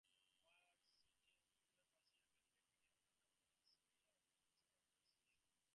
Varsity and junior varsity athletic activities are under the Pennsylvania Interscholastic Athletics Association.